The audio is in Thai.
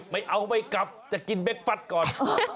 ไม่เอาไม่กลับจะกินเค็กฟัดก่อน